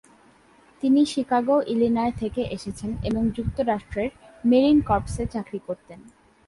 তিনি Chicago, Illinois থেকে এসেছেন এবং যুক্তরাষ্ট্রের মেরিন কর্পসে চাকরি করতেন।